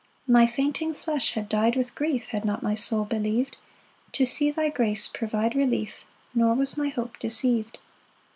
4 My fainting flesh had dy'd with grief, Had not my soul believ'd To see thy grace provide relief, Nor was my hope deceiv'd.